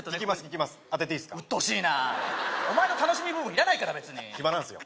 うっとうしいなお前の楽しみ部分いらないから暇なんすよ